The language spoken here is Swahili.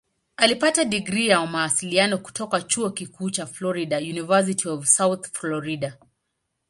Alipata digrii ya Mawasiliano kutoka Chuo Kikuu cha Florida "University of South Florida".